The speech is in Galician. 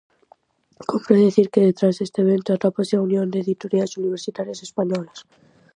Cómpre dicir que detrás deste evento atópase a Unión de Editoriais Universitarias Españolas.